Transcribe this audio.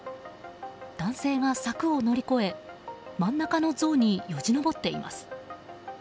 男性が柵を乗り越え真ん中の像によじ登っています。